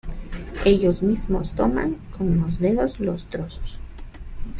Ellos mismos toman con los dedos los trozos.